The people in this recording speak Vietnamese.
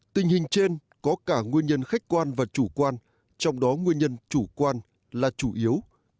tình hình trên có cả nguyên nhân khách quan và chủ quan trong đó nguyên nhân chủ quan là chủ yếu